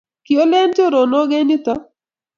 kioolen choronok eng yuto